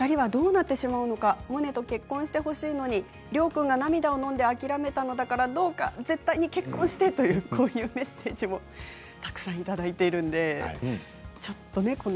２人はどうなってしまうのかモネと結婚してほしいのに亮君が涙をのんで諦めたのだからどうか絶対に結婚してというメッセージもたくさんいただいています。